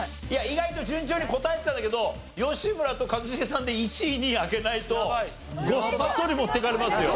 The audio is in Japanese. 意外と順調に答えてたんだけど吉村と一茂さんで１位２位開けないとごっそり持っていかれますよ。